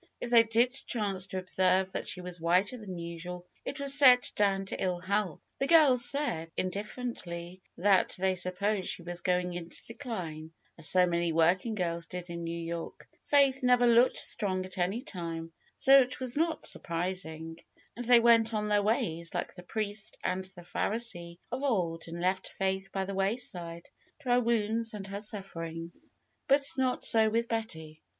If they did chance to observe that she was whiter than usual, it was set down to ill health. The girls said, indifferently, that they supposed she was going into decline, as so many working girls did in Hew York. Faith never looked strong at any time, so it was not surprising. And they went on their ways like the priest and the Pharisee of old, and left Faith by the wayside to her wounds and her sufferings. But not so with Betty.